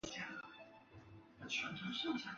埃斯克拉尼。